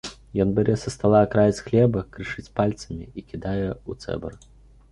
Ён бярэ са стала акраец хлеба, крышыць пальцамі і кідае ў цэбар.